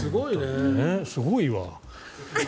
すごいわ。